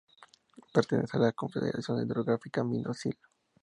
Pertenece a la Confederación Hidrográfica Miño-Sil.